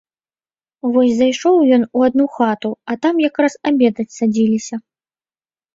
Вось зайшоў ён у адну хату, а там якраз абедаць садзіліся.